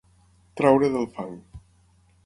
Treure del fang.